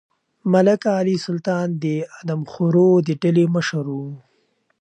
ملک علي سلطان د آدمخورو د ډلې مشر و.